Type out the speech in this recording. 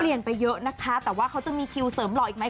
ไปเยอะนะคะแต่ว่าเขาจะมีคิวเสริมหล่ออีกไหม